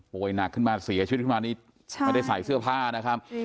หนักขึ้นมาเสียชีวิตขึ้นมานี่ไม่ได้ใส่เสื้อผ้านะครับ